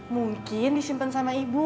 mungkin disimpen sama ibu